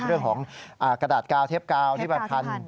เรื่องของกระดาษเก้าเทพเก้าที่แบบพันธุ์